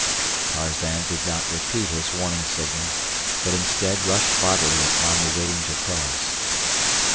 Tarzan did not repeat his warning signal, but instead rushed bodily upon the waiting Terkoz.